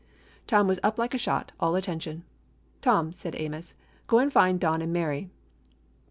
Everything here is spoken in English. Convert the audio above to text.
Tom was up like a shot, all attention. "Tom," said Amos, "go and find Don and Mary!"